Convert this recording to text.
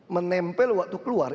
menempel waktu keluar